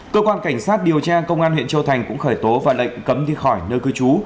cơ quan cảnh sát điều tra công an huyện châu thành cũng khởi tố và lệnh cấm đi khỏi nơi cư trú